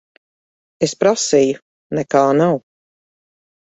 Es prasīju. Nekā nav.